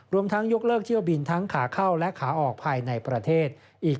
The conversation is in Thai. รวมทั้งยกเลิกเที่ยวบินทั้งขาเข้าและขาออกภายในประเทศอีก